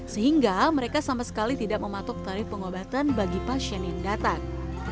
sehingga mereka sama sekali tidak mematok tarif pengobatan bagi pasien yang datang